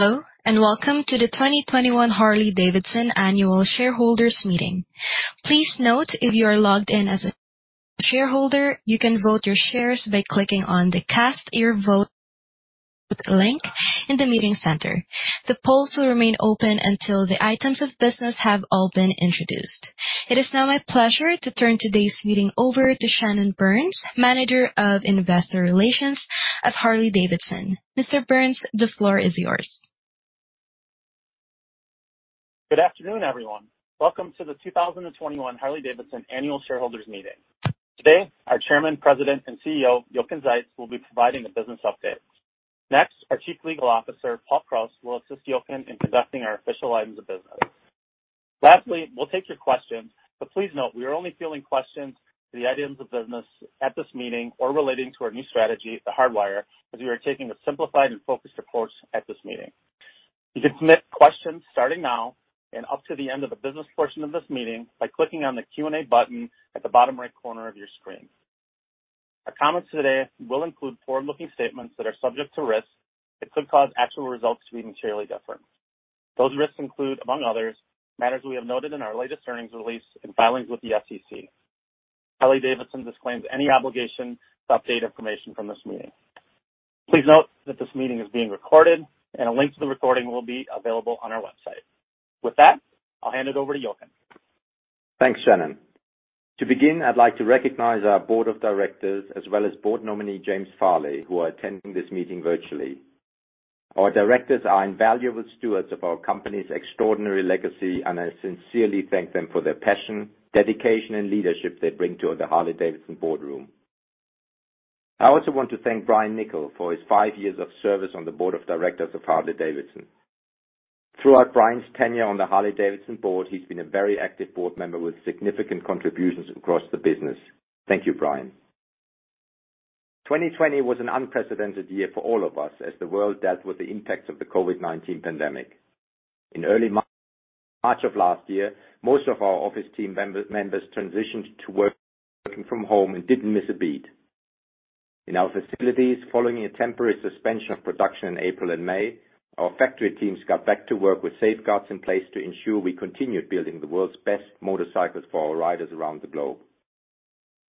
Hello and welcome to the 2021 Harley-Davidson Annual Shareholders meeting. Please note if you are logged in as a shareholder, you can vote your shares by clicking on the Cast Your Vote link in the meeting center. The polls will remain open until the items of business have all been introduced. It is now my pleasure to turn today's meeting over to Shannon Burns, Manager of Investor Relations at Harley-Davidson. Mr. Burns, the floor is yours. Good afternoon, everyone. Welcome to the 2021 Harley-Davidson Annual Shareholders meeting. Today, our Chairman, President, and CEO, Jochen Zeitz, will be providing a business update. Next, our Chief Legal Officer, Paul Krause, will assist Jochen in conducting our official items of business. Lastly, we'll take your questions, but please note we are only fielding questions for the items of business at this meeting or relating to our new strategy, The Hardwire, as we are taking a simplified and focused approach at this meeting. You can submit questions starting now and up to the end of the business portion of this meeting by clicking on the Q&A button at the bottom right corner of your screen. Our comments today will include forward-looking statements that are subject to risks that could cause actual results to be materially different. Those risks include, among others, matters we have noted in our latest earnings release and filings with the SEC. Harley-Davidson disclaims any obligation to update information from this meeting. Please note that this meeting is being recorded, and a link to the recording will be available on our website. With that, I'll hand it over to Jochen. Thanks, Shannon. To begin, I'd like to recognize our Board of Directors as well as board nominee, James D. Farley, Jr., who are attending this meeting virtually. Our directors are invaluable stewards of our company's extraordinary legacy and I sincerely thank them for their passion, dedication and leadership they bring to the Harley-Davidson boardroom. I also want to thank Brian Niccol for his five years of service on the Board of Directors of Harley-Davidson. Throughout Brian's tenure on the Harley-Davidson board, he's been a very active board member with significant contributions across the business. Thank you, Brian. 2020 was an unprecedented year for all of us as the world dealt with the impact of the COVID-19 pandemic. In early March of last year, most of our office team members transitioned to working from home and didn't miss a beat. In our facilities, following a temporary suspension of production in April and May, our factory teams got back to work with safeguards in place to ensure we continued building the world's best motorcycles for our riders around the globe.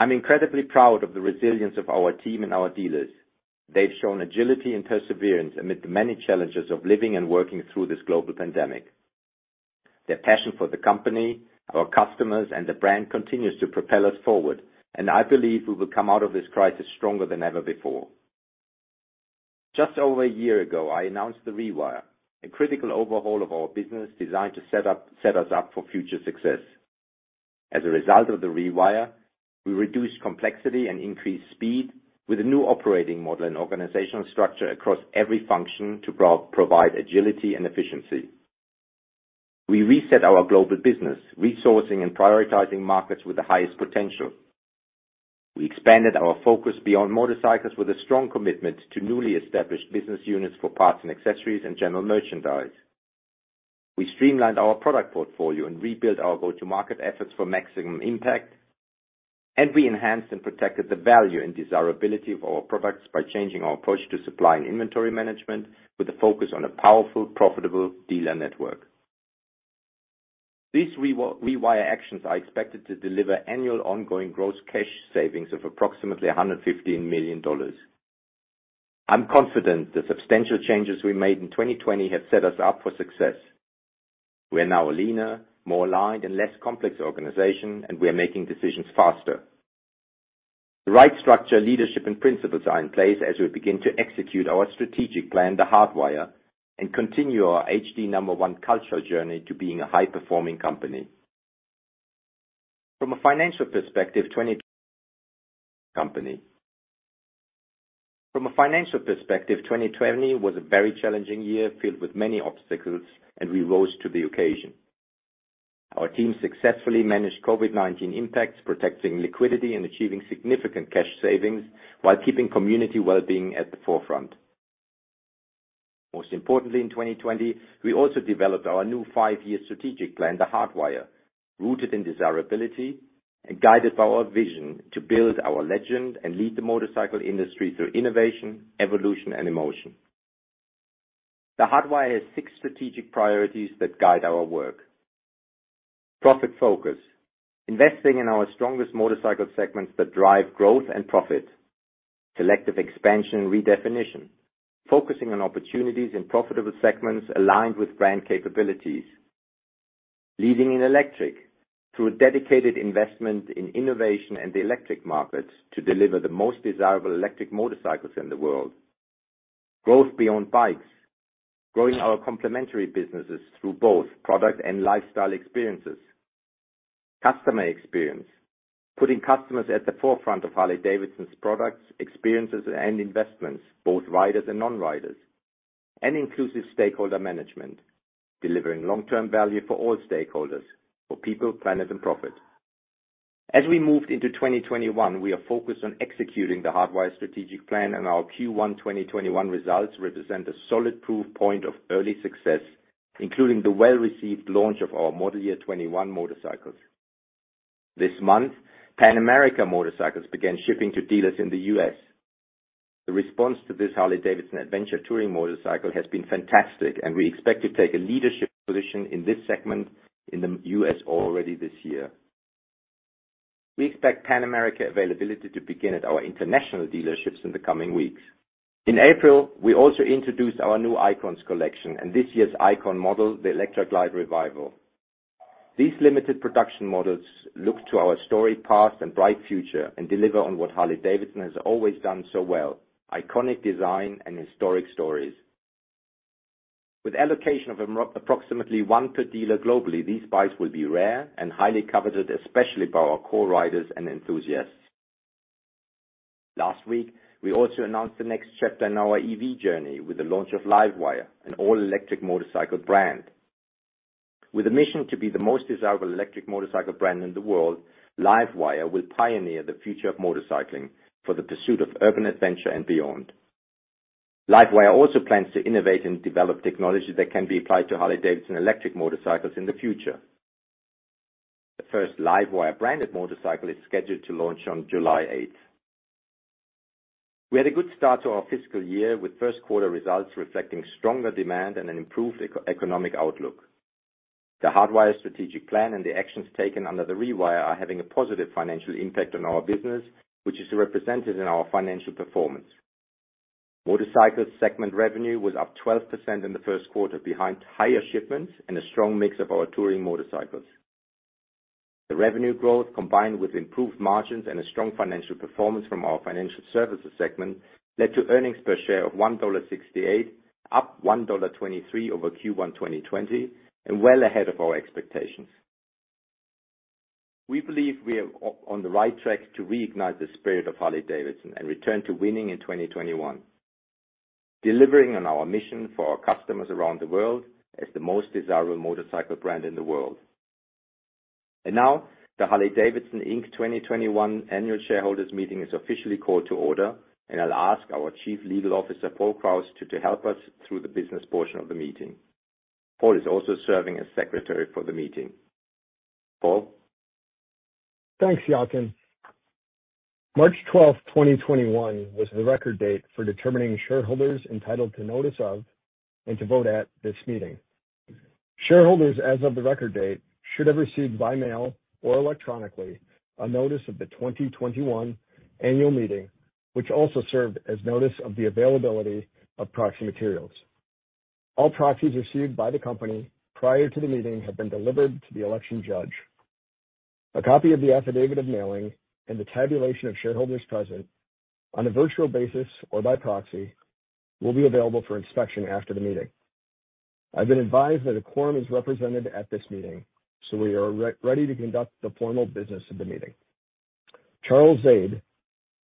I'm incredibly proud of the resilience of our team and our dealers. They've shown agility and perseverance amid the many challenges of living and working through this global pandemic. Their passion for the company, our customers, and the brand continues to propel us forward, and I believe we will come out of this crisis stronger than ever before. Over a year ago, I announced The Rewire, a critical overhaul of our business designed to set us up for future success. As a result of The Rewire, we reduced complexity and increased speed with a new operating model and organizational structure across every function to provide agility and efficiency. We reset our global business, resourcing and prioritizing markets with the highest potential. We expanded our focus beyond motorcycles with a strong commitment to newly established business units for parts and accessories and general merchandise. We streamlined our product portfolio and rebuilt our go-to-market efforts for maximum impact. We enhanced and protected the value and desirability of our products by changing our approach to supply and inventory management with a focus on a powerful, profitable dealer network. These Rewire actions are expected to deliver annual ongoing gross cash savings of approximately $150 million. I'm confident the substantial changes we made in 2020 have set us up for success. We are now a leaner, more aligned, and less complex organization, and we are making decisions faster. The right structure, leadership, and principles are in place as we begin to execute our strategic plan, The Hardwire, and continue our H-D#1 Cultural Journey to being a high-performing company. From a financial perspective, 2020 was a very challenging year filled with many obstacles, and we rose to the occasion. Our team successfully managed COVID-19 impacts, protecting liquidity and achieving significant cash savings while keeping community well-being at the forefront. Most importantly, in 2020, we also developed our new five-year strategic plan, The Hardwire, rooted in desirability and guided by our vision to build our legend and lead the motorcycle industry through innovation, evolution, and emotion. The Hardwire has six strategic priorities that guide our work. Profit focus, investing in our strongest motorcycle segments that drive growth and profit. Selective expansion redefinition, focusing on opportunities in profitable segments aligned with brand capabilities. Leading in electric, through a dedicated investment in innovation and electric markets to deliver the most desirable electric motorcycles in the world. Growth beyond bikes, growing our complementary businesses through both product and lifestyle experiences. Customer experience, putting customers at the forefront of Harley-Davidson's products, experiences, and investments, both riders and non-riders. Inclusive stakeholder management, delivering long-term value for all stakeholders, for people, planet, and profit. As we move into 2021, we are focused on executing The Hardwire strategic plan, and our Q1 2021 results represent a solid proof point of early success, including the well-received launch of our model year 2021 motorcycles. This month, Pan America motorcycles began shipping to dealers in the U.S. The response to this Harley-Davidson adventure touring motorcycle has been fantastic, and we expect to take a leadership position in this segment in the U.S. already this year. We expect Pan America availability to begin at our international dealerships in the coming weeks. In April, we also introduced our new Icons Collection, and this year's Icon model, the Electra Glide Revival. These limited production models look to our storied past and bright future and deliver on what Harley-Davidson has always done so well, iconic design and historic stories. With allocation of approximately one per dealer globally, these bikes will be rare, and highly coveted, especially by our core riders and enthusiasts. Last week, we also announced the next chapter in our EV journey with the launch of LiveWire, an all-electric motorcycle brand. With a mission to be the most desirable electric motorcycle brand in the world, LiveWire will pioneer the future of motorcycling for the pursuit of urban adventure and beyond. LiveWire also plans to innovate and develop technology that can be applied to Harley-Davidson electric motorcycles in the future. The first LiveWire branded motorcycle is scheduled to launch on July 8th. We had a good start to our fiscal year, with first quarter results reflecting stronger demand and an improved economic outlook. The Hardwire strategic plan and the actions taken under The Rewire are having a positive financial impact on our business, which is represented in our financial performance. Motorcycles segment revenue was up 12% in the first quarter behind higher shipments and a strong mix of our touring motorcycles. The revenue growth, combined with improved margins and a strong financial performance from our financial services segment, led to earnings per share of $1.68, up $1.23 over Q1 2020, and well ahead of our expectations. We believe we are on the right track to reignite the spirit of Harley-Davidson and return to winning in 2021, delivering on our mission for our customers around the world as the most desirable motorcycle brand in the world. Now the Harley-Davidson Inc. 2021 Annual Shareholders meeting is officially called to order, and I'll ask our Chief Legal Officer, Paul Krause, to help us through the business portion of the meeting. Paul is also serving as secretary for the meeting. Paul? Thanks, Jochen. March 12th, 2021, was the record date for determining shareholders entitled to notice of, and to vote at, this meeting. Shareholders as of the record date should have received by mail or electronically a notice of the 2021 annual meeting, which also served as notice of the availability of proxy materials. All proxies received by the company prior to the meeting have been delivered to the election judge. A copy of the affidavit of mailing and the tabulation of shareholders present on a virtual basis or by proxy will be available for inspection after the meeting. I've been advised that a quorum is represented at this meeting, so we are ready to conduct the formal business of the meeting. Charles Zaid,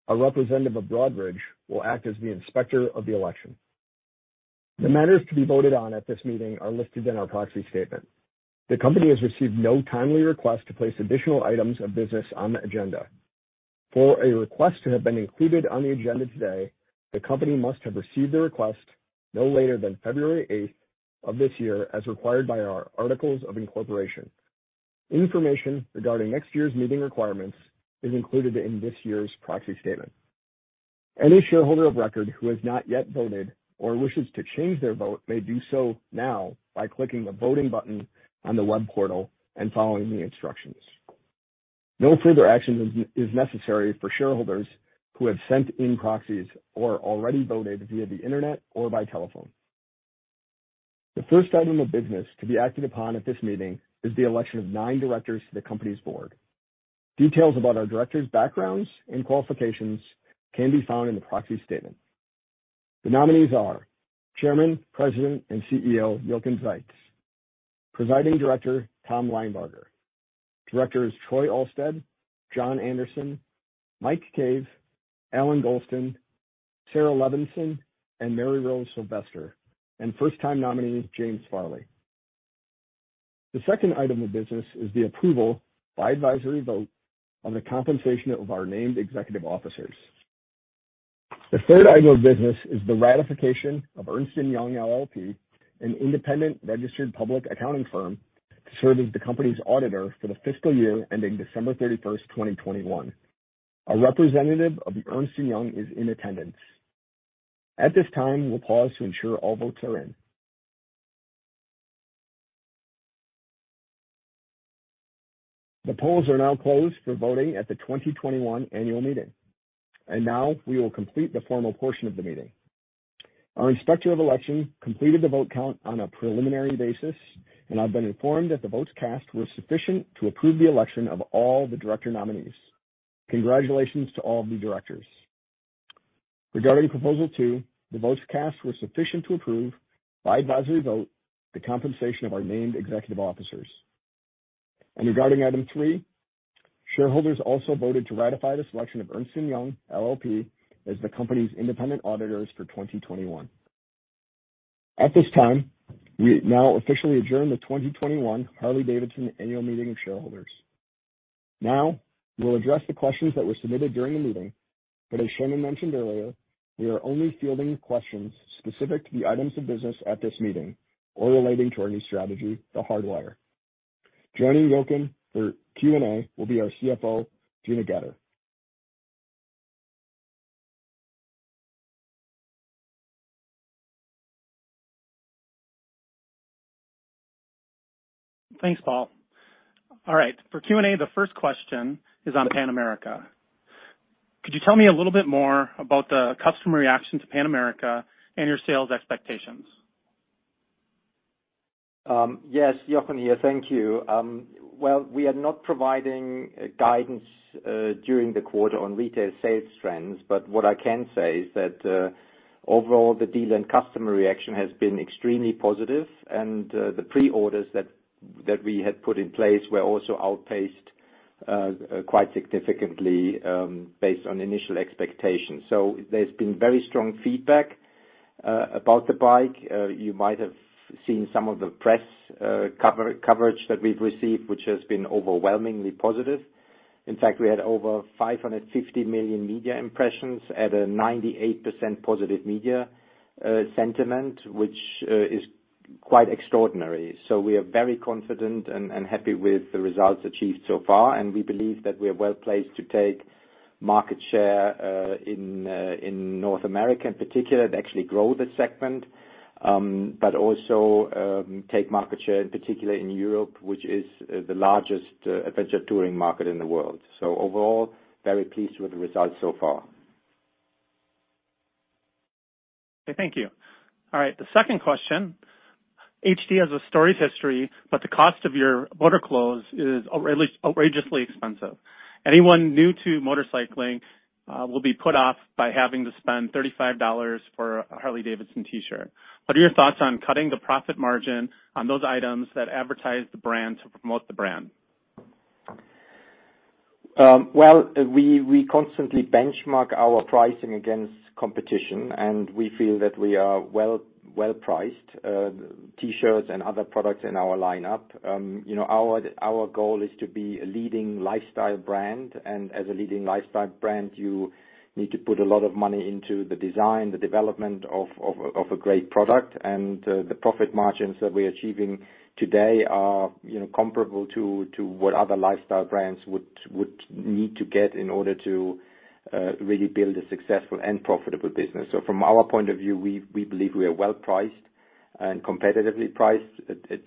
a representative of Broadridge, will act as the inspector of the election. The matters to be voted on at this meeting are listed in our proxy statement. The company has received no timely request to place additional items of business on the agenda. For a request to have been included on the agenda today, the company must have received the request no later than February 8th of this year, as required by our articles of incorporation. Information regarding next year's meeting requirements is included in this year's proxy statement. Any shareholder of record who has not yet voted or wishes to change their vote may do so now by clicking the voting button on the web portal and following the instructions. No further action is necessary for shareholders who have sent in proxies or already voted via the internet or by telephone. The first item of business to be acted upon at this meeting is the election of nine directors to the company's board. Details about our directors' backgrounds and qualifications can be found in the proxy statement. The nominees are Chairman, President, and CEO, Jochen Zeitz; Presiding Director, N. Thomas Linebarger; Directors Troy Alstead, John Anderson, Mike Cave, Allan Golston, Sara Levinson, and Maryrose T. Sylvester; and first-time nominee, James Farley. The second item of business is the approval by advisory vote on the compensation of our named executive officers. The third item of business is the ratification of Ernst & Young LLP, an independent registered public accounting firm, to serve as the company's auditor for the fiscal year ending December 31st, 2021, a representative of Ernst & Young is in attendance. At this time, we'll pause to ensure all votes are in. The polls are now closed for voting at the 2021 annual meeting. Now we will complete the formal portion of the meeting. Our Inspector of Election completed the vote count on a preliminary basis. I've been informed that the votes cast were sufficient to approve the election of all the director nominees. Congratulations to all of the directors. Regarding proposal two, the votes cast were sufficient to approve by advisory vote the compensation of our named executive officers. Regarding item three, shareholders also voted to ratify the selection of Ernst & Young LLP as the company's independent auditors for 2021. At this time, we now officially adjourn the 2021 Harley-Davidson annual meeting of shareholders. Now, we'll address the questions that were submitted during the meeting. As Shannon mentioned earlier, we are only fielding questions specific to the items of business at this meeting or relating to our new strategy, The Hardwire. Joining Jochen for Q&A will be our CFO, Gina Goetter. Thanks, Paul. All right, for Q&A, the first question is on Pan America. Could you tell me a little bit more about the customer reaction to Pan America and your sales expectations? Yes, Jochen here, thank you. Well, we are not providing guidance during the quarter on retail sales trends, but what I can say is that overall the dealer customer reaction has been extremely positive, and the pre-orders that we had put in place were also outpaced quite significantly based on initial expectations. There's been very strong feedback about the bike. You might have seen some of the press coverage that we've received, which has been overwhelmingly positive. In fact, we had over 550 million media impressions at a 98% positive media sentiment, which is quite extraordinary. We are very confident and happy with the results achieved so far, and we believe that we are well-placed to take market share in North America in particular, and actually grow the segment, but also take market share in particular in Europe, which is the largest adventure touring market in the world. Overall, very pleased with the results so far. Thank you. All right, the second question. H-D has a storied history, but the cost of your MotorClothes is outrageously expensive. Anyone new to motorcycling will be put off by having to spend $35 for a Harley-Davidson T-shirt. What are your thoughts on cutting the profit margin on those items that advertise the brand to promote the brand? We constantly benchmark our pricing against competition. We feel that we are well-priced, T-shirts and other products in our lineup. Our goal is to be a leading lifestyle brand. As a leading lifestyle brand, you need to put a lot of money into the design, the development of a great product, and the profit margins that we are achieving today are comparable to what other lifestyle brands would need to get in order to really build a successful and profitable business. From our point of view, we believe we are well priced and competitively priced,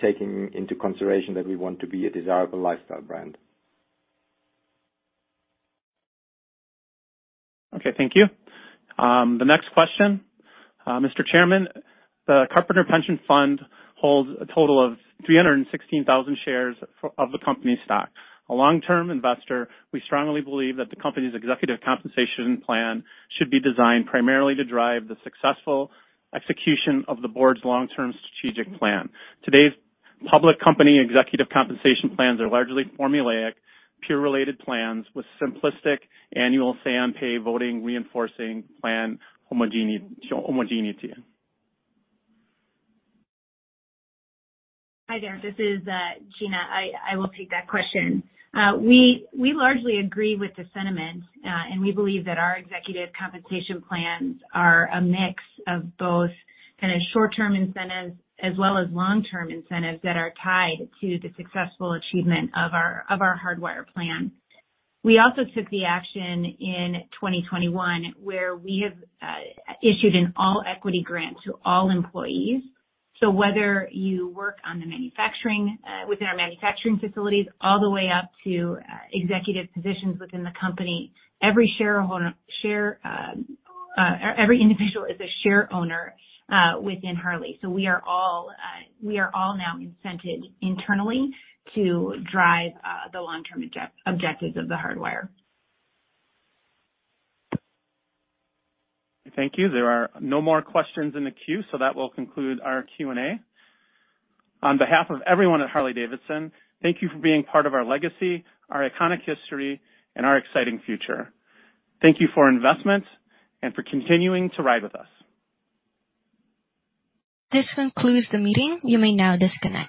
taking into consideration that we want to be a desirable lifestyle brand. Okay. Thank you. The next question. Mr. Chairman, the Carpenter Pension Fund holds a total of 316,000 shares of the company stock. A long-term investor, we strongly believe that the company's executive compensation plan should be designed primarily to drive the successful execution of the board's long-term strategic plan. Today's public company executive compensation plans are largely formulaic, peer-related plans with simplistic annual say-on-pay voting reinforcing plan homogeneity. Hi there, this is Gina. I will take that question. We largely agree with the sentiment, and we believe that our executive compensation plans are a mix of both short-term incentives, as well as long-term incentives that are tied to the successful achievement of our Hardwire plan. We also took the action in 2021, where we have issued an all-equity grant to all employees. Whether you work within our manufacturing facilities all the way up to executive positions within the company, every individual is a share owner within Harley. We are all now incented internally to drive the long-term objectives of the Hardwire. Thank you. There are no more questions in the queue, that will conclude our Q&A. On behalf of everyone at Harley-Davidson, thank you for being part of our legacy, our iconic history, and our exciting future. Thank you for investment and for continuing to ride with us. This concludes the meeting. You may now disconnect.